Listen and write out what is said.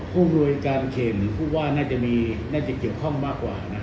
ผู้อำนวยการเขตหรือผู้ว่าน่าจะเกี่ยวข้องมากกว่า